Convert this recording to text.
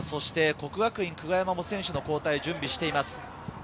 國學院久我山も選手の交代を準備しています。